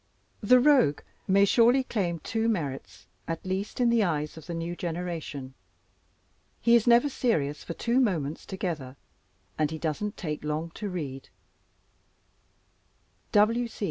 The Rogue may surely claim two merits, at least, in the eyes of the new generation he is never serious for two moments together; and he "doesn't take long to read."